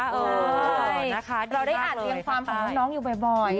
เราได้อ่านเรียงความของพวกน้องอยู่บ่อย